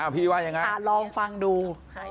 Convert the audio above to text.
พี่ว่าอย่างไรอาจลองฟังดู